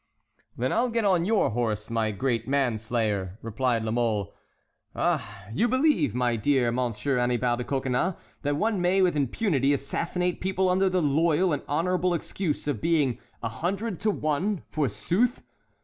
"Then I'll get on your horse, my great man slayer," replied La Mole. "Ah, you believe, my dear Monsieur Annibal de Coconnas, that one may with impunity assassinate people under the loyal and honorable excuse of being a hundred to one, forsooth!